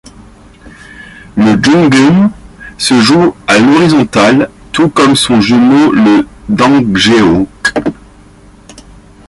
Le junggeum se joue à l' horizontal tout comme son jumeau le Dangjeok.